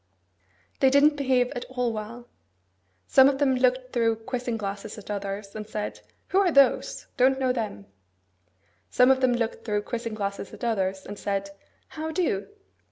They didn't behave at all well. Some of them looked through quizzing glasses at others, and said, 'Who are those? Don't know them.' Some of them looked through quizzing glasses at others, and said, 'How do?